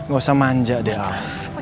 gak usah manja deh